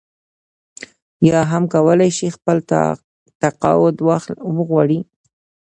یا هم کولای شي خپل تقاعد وغواړي.